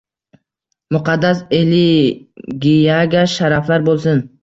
Muqaddas Eligiyaga sharaflar bo`lsin